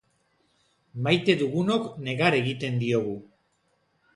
Maite dugunok negar egiten diogu.